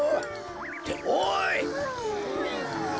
っておい！